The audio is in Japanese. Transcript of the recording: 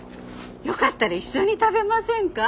よかったら一緒に食べませんか？